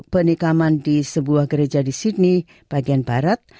penikaman di sebuah gereja di sydney bagian barat